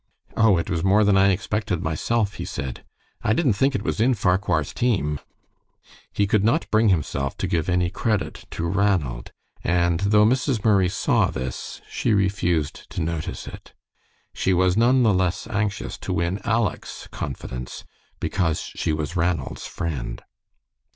"Oh, it was more than I expected myself," he said. "I didn't think it was in Farquhar's team." He could not bring himself to give any credit to Ranald, and though Mrs. Murray saw this, she refused to notice it. She was none the less anxious to win Aleck's confidence, because she was Ranald's friend.